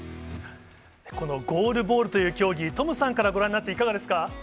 このゴールボールという競技、トムさんからご覧になって、いかがですか。